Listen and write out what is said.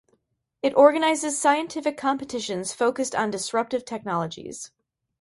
It organizes scientific competitions focused on disruptive technologies.